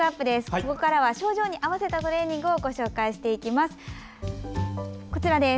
ここからは症状に合わせたトレーニングをご紹介します。